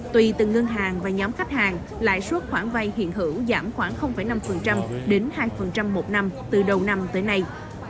tùy từ ngân hàng và nhóm khách hàng lãi suất khoản vay hiện hữu giảm khoảng năm đến hai một năm từ đầu năm tới nay